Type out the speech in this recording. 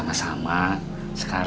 bapak sudah sadar